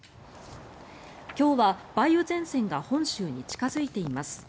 今日は梅雨前線が本州に近付いています。